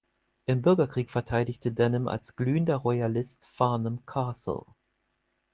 Im Bürgerkrieg verteidigte Denham als glühender Royalist Farnham Castle.